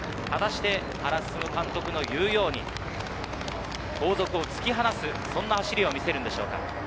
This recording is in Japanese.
果たして原晋監督の言うように後続を突き放す、そんな走りを見せるんでしょうか。